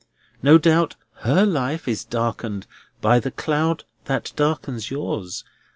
No doubt her life is darkened by the cloud that darkens yours.